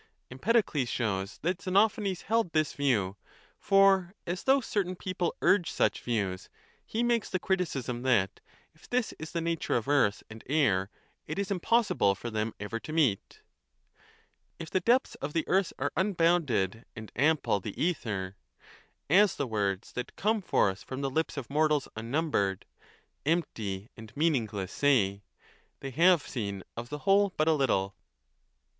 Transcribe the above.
Empedocles shows that Xenophanes held this view ; for, as though certain people urged such views, he makes the criticism that, if this is the nature of earth and air, 1 it is impossible for them ever to meet, 35 If the depths of the earth are unbounded and ample the ether, As the words that come forth from the lips of mortals unnumbered, Empty and meaningless, say; they have seen of the whole but a little.